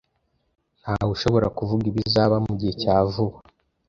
Ntawushobora kuvuga ibizaba mugihe cya vuba.